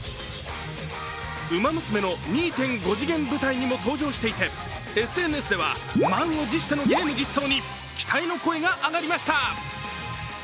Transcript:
「ウマ娘」の２．５次元舞台にも登場していて、ＳＮＳでは満を持してのゲーム実装に期待の声が上がりました。